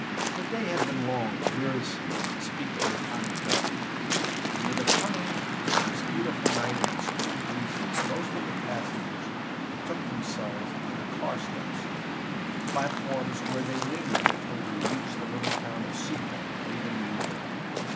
The day had been long, wearisome, and unspeakably hot and dusty; and with the coming of this beautiful night and its cool breezes most of the passengers betook themselves to the car steps and platforms, where they lingered until we reached the little town of Separ, late in the evening.